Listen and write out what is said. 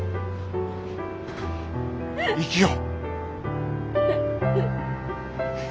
生きよう。